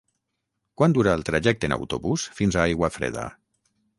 Quant dura el trajecte en autobús fins a Aiguafreda?